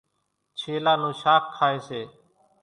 ڇيلا نون شاک کائيَ سي۔